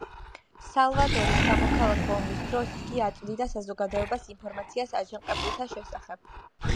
სალვადორის სამოქალაქო ომის დროს იგი აწვდიდა საზოგადოებას ინფორმაციას აჯანყებულთა შესახებ.